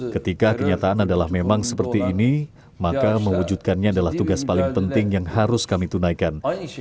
ketika kenyataan adalah memang seperti ini maka mewujudkannya adalah tugas paling penting yang harus kami tunaikan